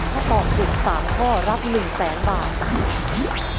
ถ้าตอบถูก๓ข้อรับ๑แสนบาท